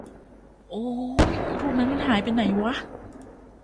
โอ๊ยรูปนั้นมันหายไปไหนวะ